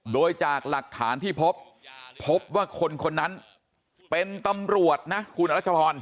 โดยจากหลักฐานที่พบพบว่าคนคนนั้นเป็นตำรวจนะคุณรัชพร